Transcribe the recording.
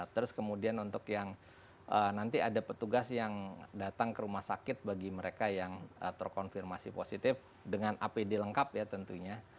terus kemudian untuk yang nanti ada petugas yang datang ke rumah sakit bagi mereka yang terkonfirmasi positif dengan apd lengkap ya tentunya